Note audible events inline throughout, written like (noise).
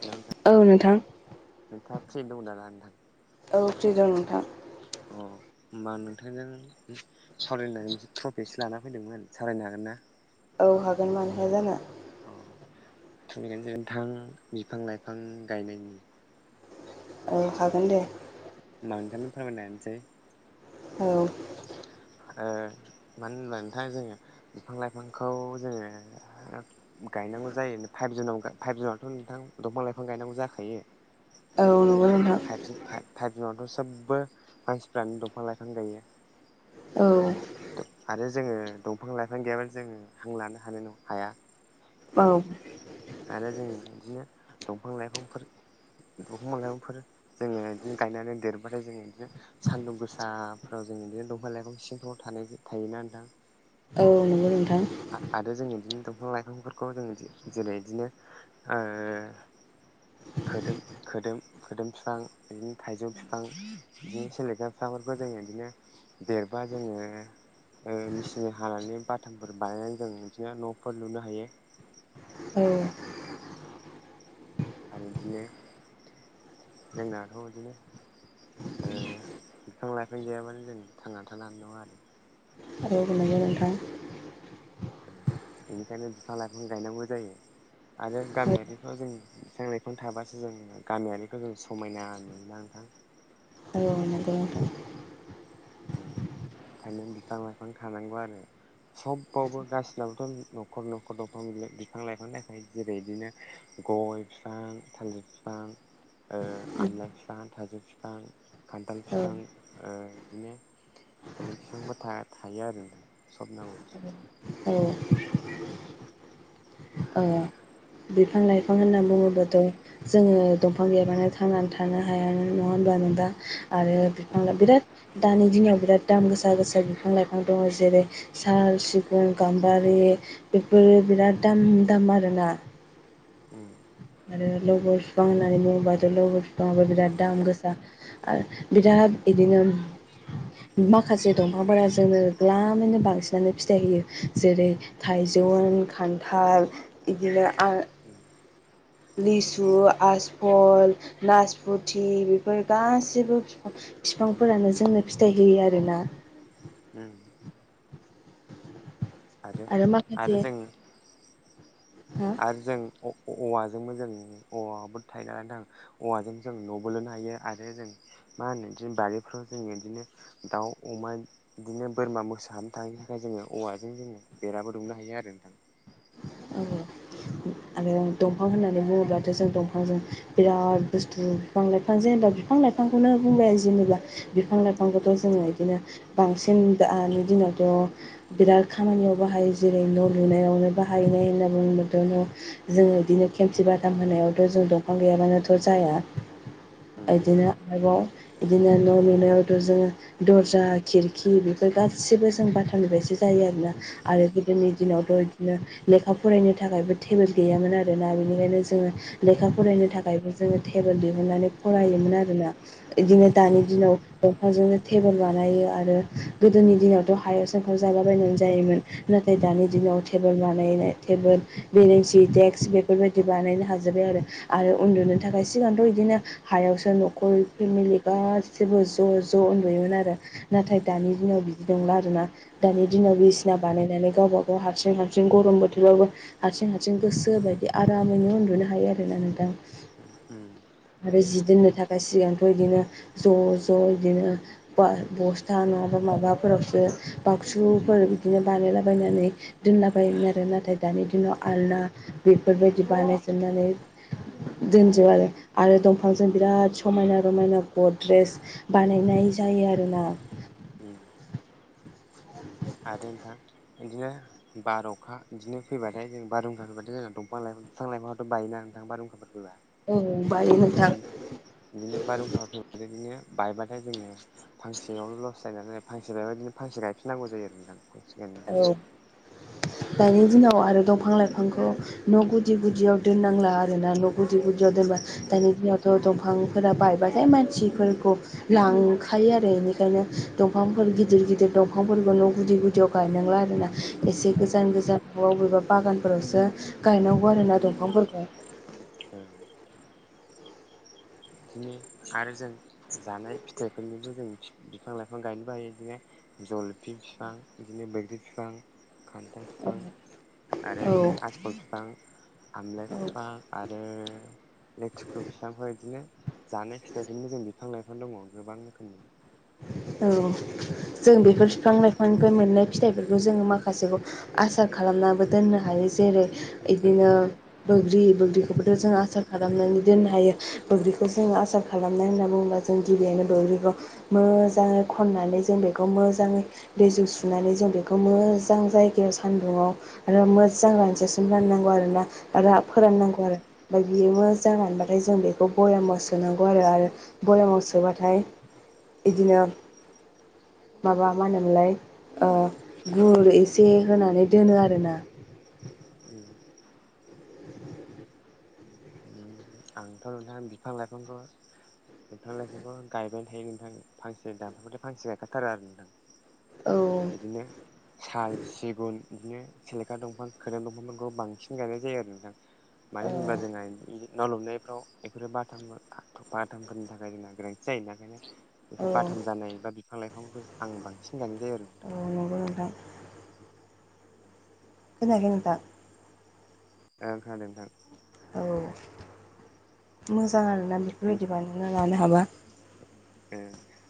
Hello नोंथां। औ नोंथां। नोंथाङा फ्रि दं द ना नोंथां? औ फ्रि दं नोंथां। अ होमबा नोंथांजों सावरायनानै मोनसे ट्रफिसो लानानानै फैदोंमोन सावरायनो हागोन ना? औ हागोन मानो हाया जानो अ थैनो जागोन नोंथां बिफां लाइफां गायनायनि औ हागोन दे होमबा नोंथांनो फोरमायनो हानोसै औ। ओ मानो होनबा नोंथाङा जोङो बिफां लाइफांखौ जोङो। गायनांगौ जायो फाइभ जुनाव फाइभ जुनावथ' नोंथां दंफां लाइफां गायनांगौ जाखायो। औ। आरो फाइ फाइभजुनावथ' सोबबो मानसिफ्रानो दंफां लाइफां गायो। औ आरो जोङो दंफां लाइफां गैयाबानो जोङो हां लानो हानो न हाया। औ। आरो जों बिदिनो दंफां लाइफांफोर दंफां लाइफांफोर जोङो बिदिनो गायनानै देरबाथाय जोङो बिदिनो सान्दुं गोसाफोराव जों बिदिनो दंफां लाइफं सिंफ्राव थानाय थायोना नोंथां औ नंगौ नोंथां। आरो जों इदिनो दंफां लाइफांफोरखौ जों जेरै इदिनो ओ खोदोम खोदोम खोदोम बिफां बिदिनो थाइजौ फिफां बिदिनो सेलेखा फिफांफोरखौ जोङो बिदिनो देरबा जोङो ओ मेसिनजों हानानै बाथामफोर बानायनानै जों बिदिनो न'फोर लुनो हायो ए आरो इदिनो जोंनाथ' इदिनो ओ बिफां लाइफां गैयाबानो जों थांनानै थानो हानाय नङा आरो औ नोंगौ नोंथां बेनिखायनो बिफां लाइफां गायनांगौ जायो। आरो गामियारिफ्राव जों बिफां लाइफां थाबासो जों गामियारिखौ जों समायना नुोना नोंथां। औ नंगौ नोंथां। खायनो बिफां लाइफां थानांगौ आरो सबावबो गासिनाबबोथ' न'खर न'खर दंफां बिफां लाइफां दाखायो जेरै बिदिनो गय बिफां थालिर बिफां ओ नोंथां आमलाइ फिफां थाइजौ फिफां खान्थाल फिफां ओ बिदिनो खुन्दै बिफांबा था थायो आरो नोंथां सबनावबो आरो ओ बिफां लाइफां होनना बिदि बुङोबाथ' जोङो दंफां गैबानो थांनानै थानो हाया नङा होनबा नों दा आरो बिफां उम ला बिराद दानि दिनाव बिराद दाम गोसा गोसा बिफां लाइफां दङ जेरै साल सिगुन गाम्बारि बेफोरो बिराद दाम दाम आरोना। ओ आरो लोर बिफां होननानै बुङोबाथ' लबोर बिफाङाबबो बिराद दाम गोसा आरो बिराद बिदिनो माखासे दंफांफोरा जोंनो गलामैनो बांसिनानो फिथाइ होयो जेरै थाइजन खान्थाल बिदिनो आरो उम लिसु आसफल नासफुथि बेफोर गासिबो बिफांफोरानो जोंनो फिथाइ होयो आरोना (inaudible) आरो आरो माखासे जों हा आरो जों औवाजोंबो जों औवाबो थाइगानानै थां औवाजों जों न' बलोननो हायो आरो जों मा होनो बिदिनो बारिफ्राव जों बिदिनो। दाउ अमानि बिदिनो बोरमा मोसाहानानैनो थांैनि थाखाय जोङो औवाजों जोङो बेराबो दुमनो हायो आरो नोंथां। औ। (inaudible) आरो दंफां होननानै बुङोब्लाथ' जों दंफांजों बिराद बुस्थु बिफां-लाइ बिफां जेनेबा बिफां लाइफांखौनो बुंबाय जेनेबा बिफां लाइफांखौथ' जोङो बिदिनो। बांसिन दानि दिनावथ' बिराद खामानियाव बाहायो जेरै न' लुनायावनो बाहायो। हनायैन बुंबोदनो जोङो बिदिनो खेमसि बाथाम होनायावथ' जों दंफां गैयाबानोथ' जाया। उम बिदिनो आरोबाव बिदिनो न' लुनायावथ' जोङो दर्जा खिरखि बेफोर गासिबो जों बाथारनिफ्रायसो जायो आरोना उम आरो गोदोनि उम दिनावथ' बिदिनो। लेखा फरायनो थाखायबो टेबोट गैयामोन आरोना बेनिखायनो जोङो लेखा उम फरायनो थाखायबो जोङो टेबोल दिहुननानै फरायोमोन आरोना। बिदिनो दानि दिनाव दंफांजोंनो थटेबोल बानायो आरो गोदोनि दिनावथ'। हायाव सोंखाव जला बायनानै जायोमोन नाथाय दानि दिनाव टेबोल मार बानायनाय टेबोल बेनिन्सि दडेक्स बेफोरबायदि बानायनो हाजोबबाय आरो आरो उन्दुनो थाखाय सिगांथ' बिदिनो हायावसो न'खर फेमिलि गासैबो ज' ज' उन्दुयोमोन आरो नाथाय दानि दिनाव बिदि दंला आर ना दानि दिनाव बिदिसिना बानायनानै गावबा गाव हारसिं हार बिों गरम बोथोरावाबबो हारथिं हारथिं गोसो बायदि आरामैनो उन्दुनो हायो आरोना नोंथां ओम। आरो जि दोननो थाखाय सिगांथ' बिदिनो ज' ज' बिदिनो बा बस्था नङाबा माबाफोरावसो बाक्सुफोर बिदिनो बानायलाबायायनानै दोनना बायोमोन आरो नाथाय दानि दिनाव आलना बेफोरबायदि बानायजोबनानै। दोनजोब आरो आरो दंफांजों उम बिराद समायना रमायना गद्रेस बानायनाय जायो आरोना। ओम आरो नोंथां बिदिनो बार'खा बिदिनो फैबाथाय जों बारहुंखा फैबाथाय जोंना दफां लाइ बिफां लाइफथ' बायोन नोंथां बारहुंखाफोर फै औ बायो नोंथां बिदिनो बिदिनो बारहुंखा फैब बिदिनो बायबाथाय जोङो। फांसेयावनो लस जायो फांसे बेदिनो फांसे गायफिननांगौ जायो आरो दां फांसे गायनांगौ औ। (inaudible) दानि दिनाव आरो दंफां लाइफांखौ न' गुदि गुदियाव दोननांला आरोना न' गुदि गुदियाव दोनबा दानि दिनावथ' दंफांफोरा बायबाथाय मानसिफोरखौ लांखायो आरो बेनिखायनो दंफांफोर गिदिर गिदिर दंफांफोरखौ न' गुदि गुदियाव गायनांला आरोना एसे गोजान गोजान न'आव बबेबा बागानफोरावसो गायनांगौ आरो ना दंफांफोरखौ औ बिदिनो आरो जों जानाय फिथाइफोरनिबो जों बिफां लाइफां गायनोबो हायो बिदिनो जलफि फिफां बिदिनो बैग्रि बिफां खान्थाल बिफां आरो औ बिदिनो आफल बिफां आमलाय औ बिफां आरो लेथिखु बिफांखौ बिदिनो जानाय फिथाइफोरनिबो जों बिफां लाइफां दङ गोबां रोखोमनि। औ जों बेफोर बिफां लाइफांनिफ्राय मोननाय फिथाइफोरखौ जोङो माखासेखौ आसा खालामनाबो दोननो हायो जेरै बिदिनो बैग्रि बैग्रिखौबोथ' जों आसार खालामनानै दोननो हायो। बैग्रिखौ जोङो आसार खालामनाय होनना बुङोब्ला जों गिबियैनो बैग्रिखौ मोजाङै खननानै जों बेखौ मोजाङै दैजों सुनानै जों बेखौ मोजां जायगायाव सान्दुङाव आरो मोजां रानजेसिम राननांगौ आरो ना रा फोराननांगौ आरो। ओमफ्राय बेयो मोजां मोनबाथाय जों बेखौ बरयमाव सोनांगौ आरो आरो बरयामाव सोबाथाय बिदिनो माबा मा होनोमोनलाय ओ गुर एसे होनानै दोनो आरोना। जोङो आंथ' नोंथां बिफां लाइफांखौ बिफां लाइफांखौ गायबाय थायो नोंथां फांसे दानफांखौल फांसे गायखाथारो आरो नोंथां। औ बिदिनो साल सिगुन। बिदिनो सेलेखा दंफां खोरोम दंफांफोरखौ बांसिन गायनाय जायो आरो नोंथां औ मानो होनोब्ला जोंहा बे न' लुनायफ्राव बेफोरो बाथामफोर बाथामफोरनि थाखाय जोंना गोनांथि जायोना ओंखायनो औ बेफोर बाथाम जानाय बा बिफां लाइफांफोरखौ आं बांसिन गायनाय जायो आरो। औ नोंथां नंगौ नोंथां खोनायाखै नोंथां। ओ खोनादों नोंथां। औ मोजां आरोना बेफोरबायदि बानायना लानो हाबा।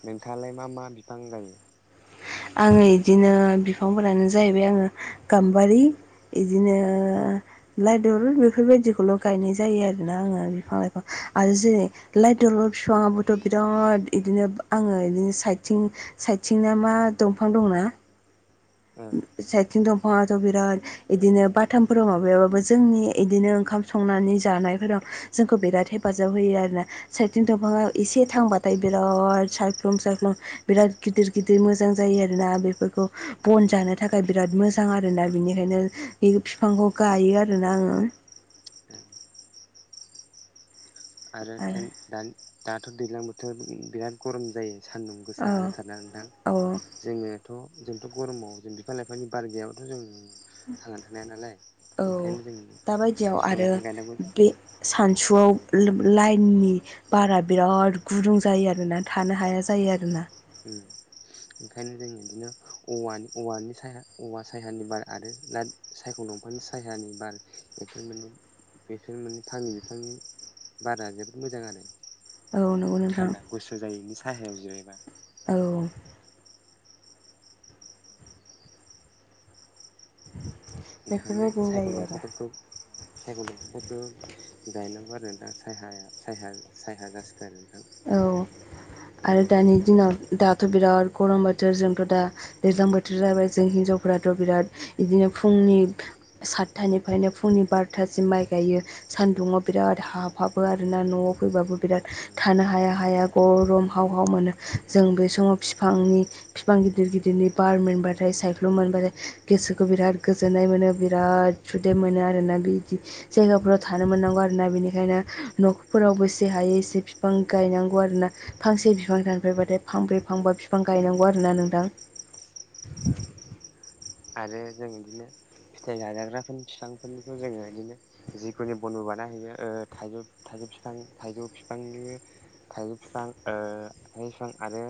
नोंथाङालाय मा मा बिफां गायो ‌? आङो बिदिनो बिफांफोरानो जाहैबाय आङो गाम्बारि बिदिनो उम ओ लाइ दलर बेफोरबायदिखौल' गायनाय जायो आरोना आङो उम बिफां लाइखौ आरो उम जेरै लाइ दलर बिफाङाबोथ' बिराद बिदिनो आङो बिदिनो साइथिं साइथिंना मा दंफां दंना? ओ साइथिं दंफाङाथ बिराद इदिनो बाथामफोराव माबायाबाबो जोंनि इदिनो ओंखाम संनानै जानायफोराव जोंखौ बिराद हेफाजाब होयो आरोना साइथिं दंफाङा एसे थांबा नाथाय बिराद सायख्लं सायख्लं बिराद गिदिर गिदिर मोजां जायो आरोोना बेफोरखौ बन उम जानो थाखाय बिराद मोजां आरोोना बिनिखायनो बे बििफांखौ गायो आरोोना आङो। ओ आरो दाथ' दैज्लां बोथोराव बिराद गरम जायो सान्दुं औ गोसा जाथारदोंना ना औ नोंथां? जोङोथ' जोंथ' गरमाव जों बिफां लाइफांनि बार गैयाबाथ' जों थांनानै थानो हाया नालाय औ ओंखायनो जों दाबायदियाव बिफां आरो लाइफां गायनांगौ। बे सानसुआव लोब लाइननि बारा बिराद गुदुं जायो आरोना थानो हाया जायो आरोना। उम ओंखायनो जों इदिनो औवानि औवानि सायहा औवा सायानि बार आरो लाद सायख' दंफानि सायहानि बार इफोर माने बेसोर माने फांनै बिफांनि बारा जोबोद मोजां आरो। औ नंगौ नोंथां थान्दा गुसु जायो इनि सायहायाव जिरायबा। औ ओंखायनो बेफोरबायदिनो सायख' जायो आरो दंफांफोरखौ सायखं दंफांफोरखौ गायनांगौ आरो नोंथां सायहाया सायहा सायहा जासो गारो नोंथां। औ आरो दानि दिनाव दाथ' बिराद गरम बोथोर जोंथ' दा दैज्लां बोथोर जाबाय जों हिनजावफ्राथ' बिराद इदिनो फुंनि सातथानिफायनो फुंनि बार'थासिम माइ गायो। सानदुङाव बिराद हाबहाबो आरोना न'आव फैबाबो बिराद थानो हाया हाया गरम हाव हाव मोनो जों बे समाव फिफांनि फिफां गिदिर गिदिरनि बार मोनबाथाय सायख्लुम मोनबाथाय गोसोखौ बिराद गोजोननाय मोनो बिराद सुदेम मोनो आरोना बिदि जायगाफोराव थानो मोननांगौ आरोना बिनिखायनो न'खरफोराव बोसे हायो एसे फि बां गायनांगौ आरो ना फांसे बिफां दानफायबाथाय फांब्रै फांबा बिफां गायनांगौ आरो ना नोंथां। ओं। आरो जों इदिनो फिथाइ जाजाग्राफोरनि बिफांफोरनिखौ जोङो इदिनो जिखुनि बनबो बानायहायो ओ थाइजौ थाइजौ फिफां थाइजौ फिफांनि थाइजौ फिफां ओ थाइै बिफां आरो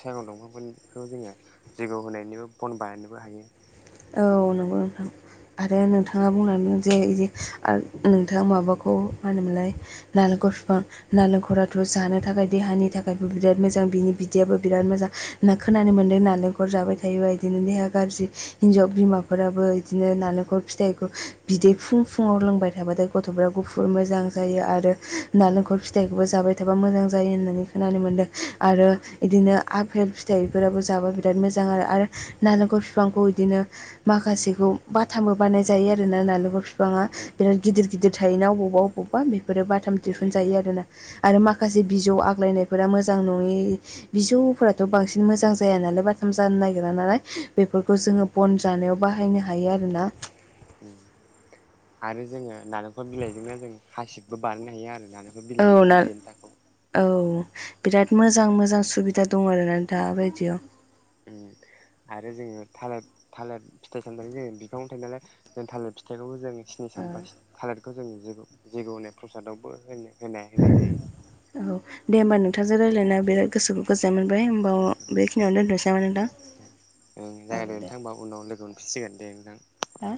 सायगं दंफांफोरखौ जोङो जैग' होनायनिबो बन बानायनोबो हायो। औ नोंगौ नोंथां। आरो नोंथाङा बुंलांदों जे इदि आ नोंथाङा माबाखौ मानो मोनलाय नालेखर फिफां नालेंखराथ' जानो थाखाय देहानि थाखायबो बिराद मोजां बिनि बिदैयाबो बिराद मोजा होना खोनो मोनदों नालेंखर जाबाय थायोबा इदिनो देहा गारजि हिनजाव बिमाफोराबो इदिनो नालेंखल फिथाइखौ बिदै फुं फुङाव लोंबाय थाबाथाय गथ'फ्रा गुफुर मोजां जायो आरो नालेंखल फिथायाइखौबो जाबाय थाबा मोजां जायो होननानै खोनानो मोन्दों आरो इदिनो आफेल फि थाइफोराबो जाबा बिराद मोजां आरो आरो नालेंखल फिफांखौ दिनो माखासेखौ बाथामबो बानाय जायो आरोना नारेंखर बिफाङा। ओं बिराद गिदिर गिदिर थायोना अबावबा अबावबा बिफोरो बाथाम थायो दिुहुन नोंथां। जायो आरो ना। आरो माखासे बिजौ आग्लायनायफोरा मोजां नङि बिजौफोराथ' बांसिन मोजां जाया नालाय बाथाम जानो नागिरा नालाय बेफोरखौ जोङो बन जानायाव बाहायनो हायो आरोना। आरो जोङो नालेंखल बिलाइजोंनो जों हासिबबो बारनो हायो आरो ना नों औ ना औ बिराद मोजां मोजां सुबिदा दं आरोना दा बायदियाव। उम आरो जोङो थालेद थालेद फिथाइ सामथायखो जोङो बिफांआवनो थायो नालाय जों थालेद फि फिथाइखौबो जों सिनि सामफा औ थालेदखौ जों जैग' जैग' होननाय प्रसादावबो होनो। होनाय होनाय जायो। औ दे होमबा नोंथांजों रायलायना बिराद गोसोखौ गोजोन मोनबाय होमबा बेखिनियावनो दोनथ'नसै नामा नोंथां। ओं जायो दे नोंथां होमबा उनाव लोगो मोनफिन सिगोन दे नोंथां। हा